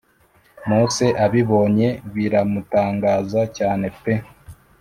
Mose abibonye biramutangaza cyane peee